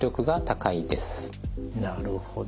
なるほど。